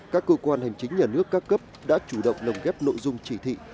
các cơ quan hành chính nhà nước cao cấp đã chủ động nồng ghép nội dung trị thị